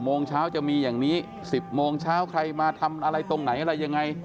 โมงเช้าจะมีอย่างนี้๑๐โมงเช้าใครมาทำอะไรตรงไหนอะไรยังไง